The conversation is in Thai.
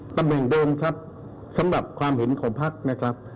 ตำแหน่งเดิมครับสำหรับความเห็นของพักนะครับ